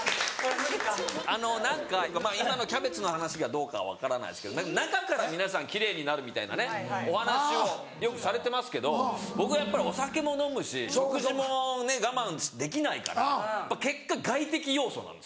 あの何か今のキャベツの話がどうかは分からないですけど中から皆さん奇麗になるみたいなねお話をよくされてますけど僕はやっぱりお酒も飲むし食事もね我慢できないから結果外的要素なんですよ。